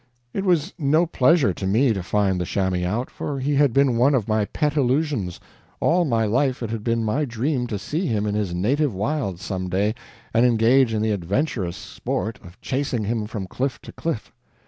It was no pleasure to me to find the chamois out, for he had been one of my pet illusions; all my life it had been my dream to see him in his native wilds some day, and engage in the adventurous sport of chasing him from cliff to cliff.